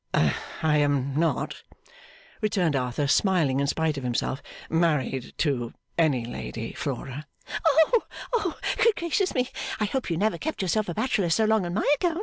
'I am not,' returned Arthur, smiling in spite of himself, 'married to any lady, Flora.' 'Oh good gracious me I hope you never kept yourself a bachelor so long on my account!